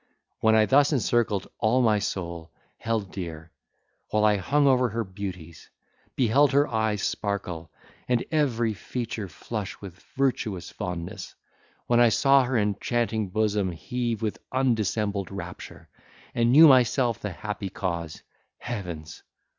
When I thus encircled all my soul held dear—while I hung over her beauties—beheld her eyes sparkle, and every feature flush with virtuous fondness—when I saw her enchanting bosom heave with undissembled rapture, and knew myself the happy cause—heavens!